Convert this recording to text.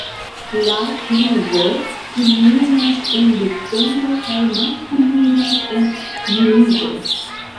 La pluvo kulminas en decembro kaj malkulminas en junie.